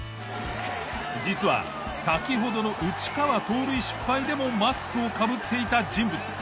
実は先ほどの内川盗塁失敗でもマスクをかぶっていた人物。